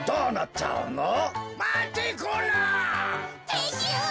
てっしゅう！